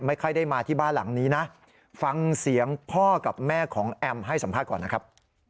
ไม่ค่อยได้มาที่บ้านหลังนี้นะฟังเสียงพ่อกับแม่ของแอมให้สัมภาษณ์ก่อนนะครับ